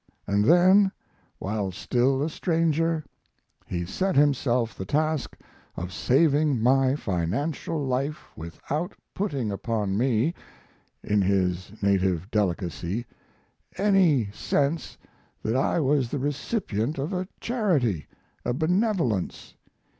And then while still a stranger he set himself the task of saving my financial life without putting upon me (in his native delicacy) any sense that I was the recipient of a charity, a benevolence.